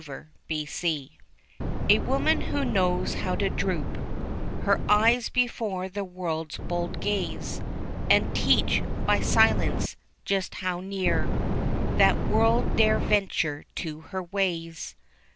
] She A woman who knows how to droop Her eyes before the world's bold gaze, And teach, by silence, just how near That world dare venture to her ways.